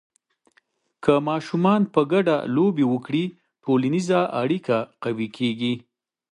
که ماشومان په ګډه لوبې وکړي، ټولنیزه اړیکه قوي کېږي.